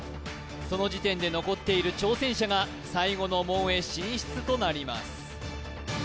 その時点で残っている挑戦者が最後の門へ進出となります